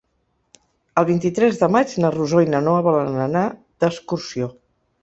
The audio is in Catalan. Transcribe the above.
El vint-i-tres de maig na Rosó i na Noa volen anar d'excursió.